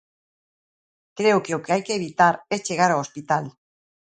Creo que o que hai que evitar é chegar ao hospital.